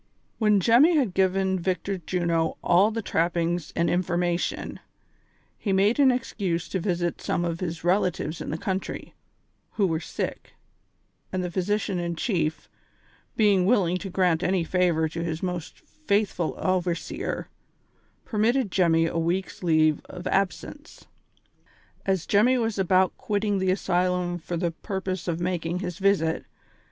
"When Jemmy had given Victor Juno all the trappings and information, he made an excuse to visit some of his relatives in the country, who were sick, and the physi cian in chief, being willing to grant any favor to his most faithful overseer, permitted Jemmy a week's leave of ab sence. As Jemmy was about quitting the asylum for the pur pose of making his visit.